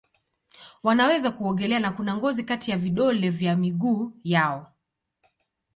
Wanaweza kuogelea na kuna ngozi kati ya vidole vya miguu yao.